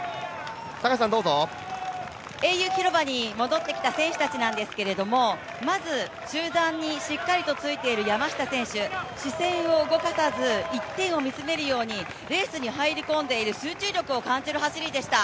英雄広場に戻ってきた選手たちなんですけれどもまず集団にしっかりついている山下選手、視線を動かさず、一点を見つめるように、レースに入り込んでいる集中力を感じる走りでした。